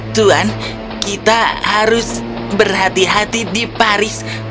tuhan kita harus berhati hati di paris